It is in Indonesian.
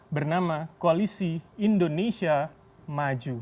bernama koalisi indonesia maju